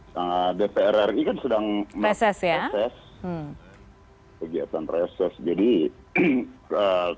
ya saya sudah mendapat informasinya dari mkd pemberitahuan soal surat yang disampaikan bang